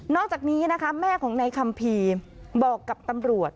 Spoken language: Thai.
อกจากนี้นะคะแม่ของนายคัมภีร์บอกกับตำรวจ